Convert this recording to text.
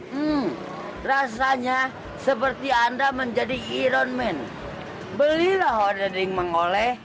hmm rasanya seperti anda menjadi ironman belilah odading mangole